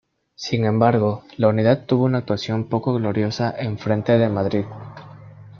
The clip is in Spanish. Sin embargo, la unidad tuvo una actuación poco gloriosa en el frente de Madrid.